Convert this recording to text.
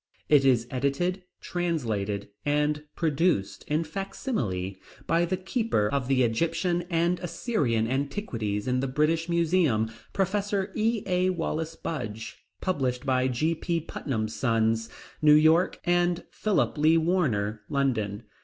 It is edited, translated, and reproduced in fac simile by the keeper of the Egyptian and Assyrian Antiquities in the British Museum, Professor E.A. Wallis Budge; published by G.P. Putnam's Sons, New York, and Philip Lee Warner, London.